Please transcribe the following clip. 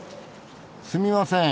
すみません。